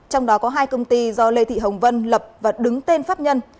trong đó có hai công ty do lê thị hồng vân lập và đứng tên pháp nhân